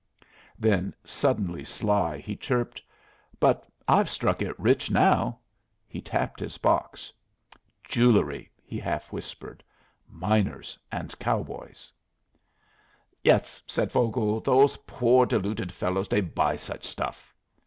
Then, suddenly sly, he chirped: "But I've struck it rich now." He tapped his box. "Jewelry," he half whispered. "Miners and cow boys." "Yes," said Vogel. "Those poor, deluded fellows, they buy such stuff."